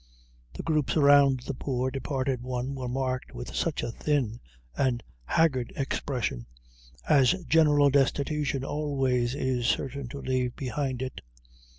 The groups around the poor departed one were marked with such a thin and haggard expression as general destitution always is certain to leave behind it.